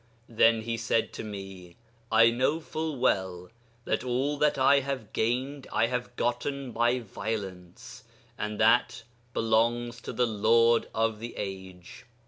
then he said to me, "I know full well that all that I have gained I have gotten by violence, and that belongs to the Lord of the Age.